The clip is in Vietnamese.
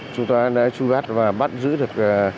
chúng tôi đã trung bắt và bắt giữ được